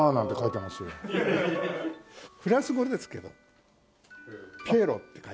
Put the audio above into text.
フランス語でですけど「ピエロ」って書いてあります。